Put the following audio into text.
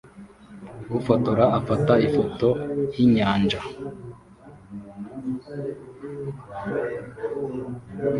Ufotora afata ifoto yinyanja